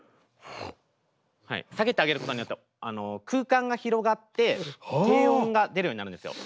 下げてあげることによって空間が広がって低音が出るようになるんですよ。